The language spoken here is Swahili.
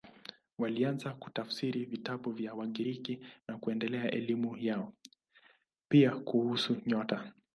Walianza kutafsiri vitabu vya Wagiriki na kuendeleza elimu yao, pia kuhusu nyota.